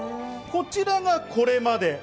こちらがこれまで。